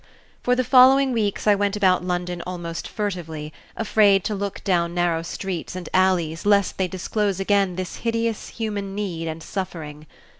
For the following weeks I went about London almost furtively, afraid to look down narrow streets and alleys lest they disclose again this hideous human need and suffering.